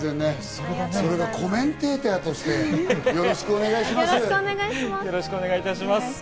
それがコメンテーターとして、よろしくお願いします。